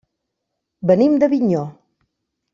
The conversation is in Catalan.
Venim d'Avinyó.